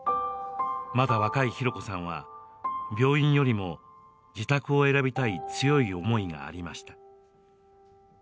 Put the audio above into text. まだ若い浩子さんは病院よりも自宅を選びたい強い思いがありました。